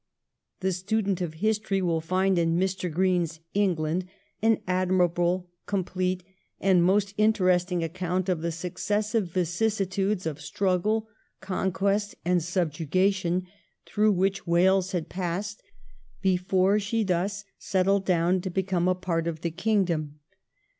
The student of history will find in Mr. Green's 'England' an admirable, com plete, and most interesting account of the successive vicissitudes of struggle, conquest, and subjugation through which Wales had passed before she thus settled down to become a part of the kingdom.